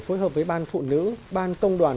phối hợp với ban phụ nữ ban công đoàn